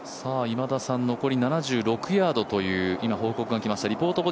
今田さん、残り７６ヤードという報告が来ました。